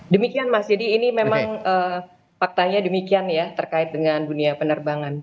demikian mas jadi ini memang faktanya demikian ya terkait dengan dunia penerbangan